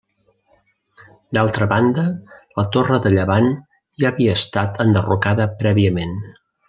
D'altra banda la torre de llevant ja havia estat enderrocada prèviament.